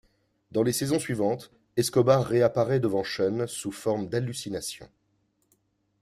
Dans les saisons suivantes, Escobar réapparaît devant Sean, sous forme d'hallucination.